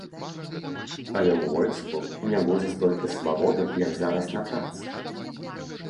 Але ў войску не будзе столькі свабоды, як зараз на працы.